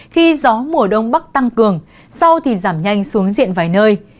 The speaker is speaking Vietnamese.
khi gió mùa đông bắc tăng cường sau thì giảm nhanh xuống diện vài nơi